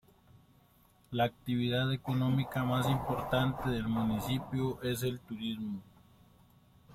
La actividad económica más importante del municipio es el turismo.